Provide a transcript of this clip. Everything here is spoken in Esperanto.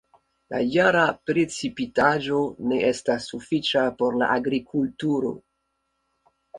La jara precipitaĵo ne estas sufiĉa por la agrikulturo.